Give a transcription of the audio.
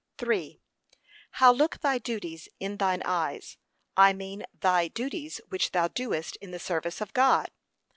(3.) How look thy duties in thine eyes, I mean thy duties which thou doest in the service of God?